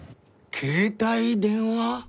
携帯電話？